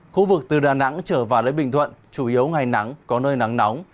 khu vực từ đà nẵng trở vào đến bình thuận chủ yếu ngày nắng có nơi nắng nóng